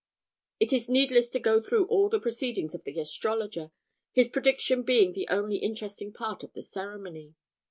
It is needless to go through all the proceedings of the astrologer, his prediction being the only interesting part of the ceremony.